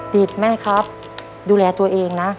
ติดแม่ครับดูแลตัวเองนะ